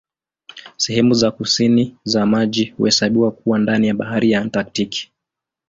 Sehemu za kusini za maji huhesabiwa kuwa ndani ya Bahari ya Antaktiki.